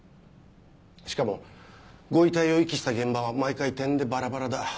しかもご遺体を遺棄した現場は毎回てんでバラバラだ。